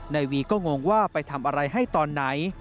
นายวีก็งงว่าไปทำอะไรให้ตอนไหน